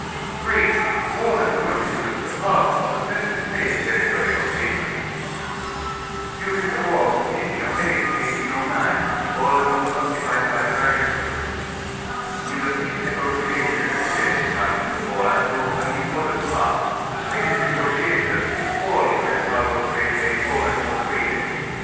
3) Aland constitutes a Part of the Present State Terri tory of Finland. During the war 1808 ŌĆö 1809 Aland was occupied by the Russian troops. In the peace negotiations at Fredrikshamn Aland took an important part. The Swedish negotiators did all in their power to retain Aland for Sweden.